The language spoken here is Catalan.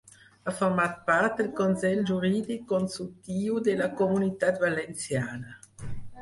Ha format part del Consell Jurídic Consultiu de la Comunitat Valenciana.